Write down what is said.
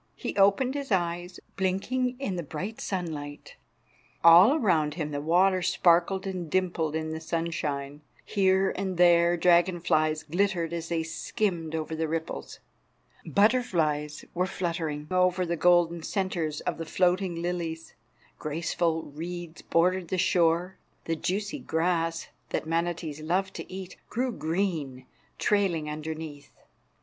He opened his eyes, blinking in the bright sunlight. All around him the water sparkled and dimpled in the sunshine. Here and there dragon flies glittered as they skimmed over the ripples. Butterflies were fluttering over the golden centres of the floating lilies. Graceful reeds bordered the shore. The juicy grass, that manatees love to eat, grew green, trailing underneath.